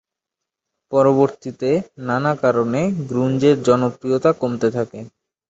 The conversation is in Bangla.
পরবর্তীকালে নানা কারণে গ্রুঞ্জ-এর জনপ্রিয়তা কমতে থাকে।